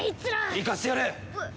行かせてやれ！うえ。